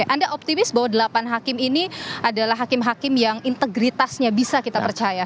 anda optimis bahwa delapan hakim ini adalah hakim hakim yang integritasnya bisa kita percaya